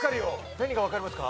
何がわかりますか？